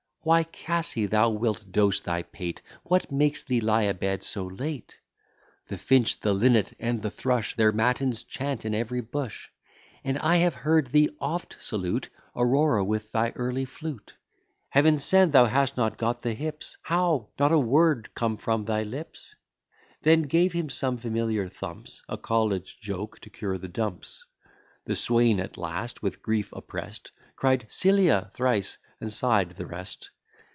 Why, Cassy, thou wilt dose thy pate: What makes thee lie a bed so late? The finch, the linnet, and the thrush, Their matins chant in every bush; And I have heard thee oft salute Aurora with thy early flute. Heaven send thou hast not got the hyps! How! not a word come from thy lips? Then gave him some familiar thumps, A college joke to cure the dumps. The swain at last, with grief opprest, Cried, Celia! thrice, and sigh'd the rest.